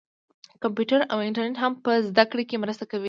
کمپیوټر او انټرنیټ هم په زده کړه کې مرسته کوي.